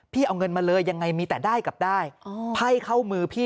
เอาเงินมาเลยยังไงมีแต่ได้กับได้ไพ่เข้ามือพี่